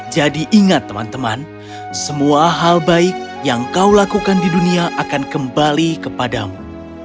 jadi ingat teman teman semua hal baik yang kau lakukan di dunia akan kembali kepadamu